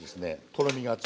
とろみがつく。